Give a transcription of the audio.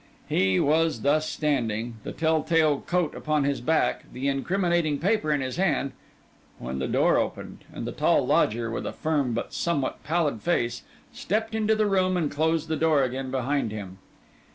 He was thus standing, the tell tale coat upon his back, the incriminating paper in his hand, when the door opened and the tall lodger, with a firm but somewhat pallid face, stepped into the room and closed the door again behind him.